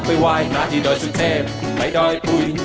ไปวายหนาที่ดอยสุเทพไปดอยปุ่น